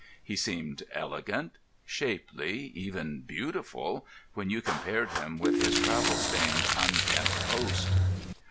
He seemed elegant, shapely, even beautiful, when you compared him with his travel stained, unkempt host.